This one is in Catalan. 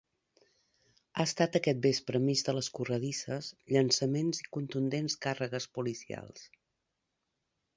Ha estat aquest vespre enmig de les corredisses, llançaments i contundents càrregues policials.